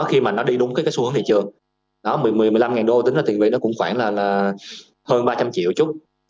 khi mà nó đi đúng cái xu hướng thị trường một mươi một mươi năm đô tính ra tiền vị nó cũng khoảng là hơn ba trăm linh triệu chút